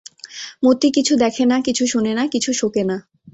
মতি কিছু দেখে না, কিছু শোনে না, কিছু শোকে না।